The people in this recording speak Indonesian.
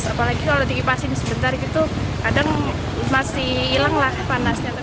apalagi kalau dikipasin sebentar itu kadang masih hilanglah panasnya